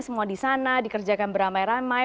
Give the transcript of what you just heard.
semua di sana dikerjakan beramai ramai